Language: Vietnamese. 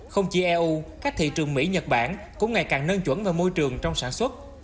không chỉ eu các thị trường mỹ nhật bản cũng ngày càng nâng chuẩn về môi trường trong sản xuất